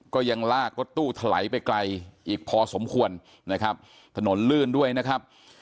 ก็ยังลากรถตู้ถลายไปไกลอีกพอสมควรนะครับถนนลื่นด้วยนะครับ